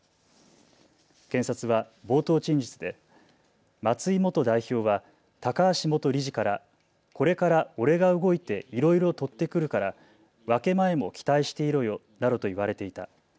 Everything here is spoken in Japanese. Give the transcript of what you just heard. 検察は冒頭陳述で松井元代表は高橋元理事からこれから俺が動いていろいろ取ってくるから分け前も期待していろよなどと言われていた。